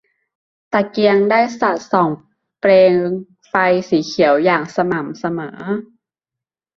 ตะเกียงได้สาดส่องเปลงไฟสีเขียวอย่างสม่ำเสมอ